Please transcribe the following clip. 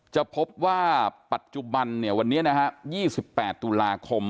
จะพบว่าปัจจุบันวันนี้นะฮะ๒๘ตุลาคม